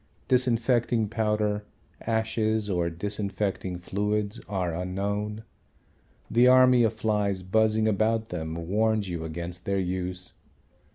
Disinfecting powder, ashes, or disinfecting fluids are unknown. The army of flies buzzing about them warns you against their use.